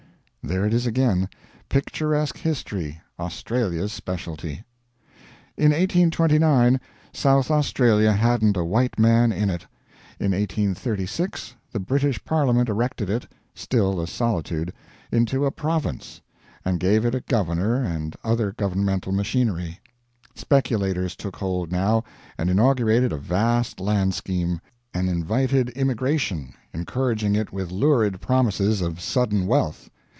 There it is again; picturesque history Australia's specialty. In 1829 South Australia hadn't a white man in it. In 1836 the British Parliament erected it still a solitude into a Province, and gave it a governor and other governmental machinery. Speculators took hold, now, and inaugurated a vast land scheme, and invited immigration, encouraging it with lurid promises of sudden wealth.